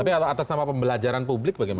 tapi atas nama pembelajaran publik bagaimana